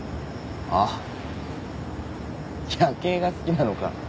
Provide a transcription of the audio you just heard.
あっ夜景が好きなのか。